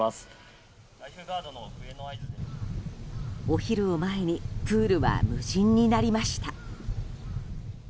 お昼を前にプールは無人になりました。